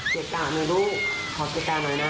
เกดกากหน่อยลูกทอดเกดกากหน่อยนะ